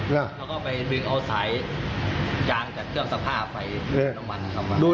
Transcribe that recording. แล้วก็ไปเอาสายยางจากเครื่องสร้างผ้าไปน้ำมันนะครับ